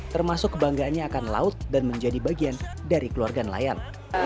termasuk kebanggaannya akan laut dan menjadi bagian dari keluarga nelayan